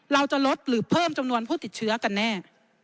เราจะลดหรือเพิ่มจำนวนผู้ติดเชื้อกันแน่